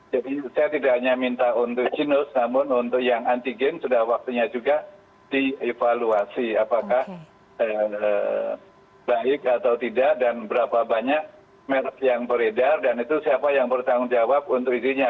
jadi saya tidak hanya minta untuk jinnus namun untuk yang antigen sudah waktunya juga dievaluasi apakah baik atau tidak dan berapa banyak yang beredar dan itu siapa yang bertanggung jawab untuk isinya